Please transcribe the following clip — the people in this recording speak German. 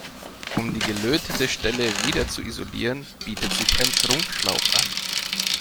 Um die gelötete Stelle wieder zu isolieren, bietet sich ein Schrumpfschlauch an.